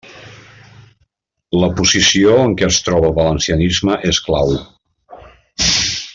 La posició en què es troba el valencianisme és clau.